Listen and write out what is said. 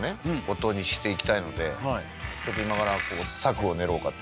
音にしていきたいのでちょっと今から策を練ろうかと。